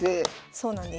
そうなんです。